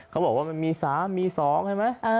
เขาบอกว่ามันมี๓มี๒เห็นไหม